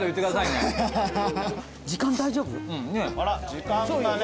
時間がね。